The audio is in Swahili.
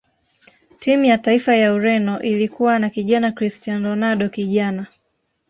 timu ya taifa ya ureno ilikuwa na kijana cristiano ronaldo kijana